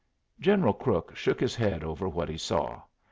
General Crook shook his head over what he saw.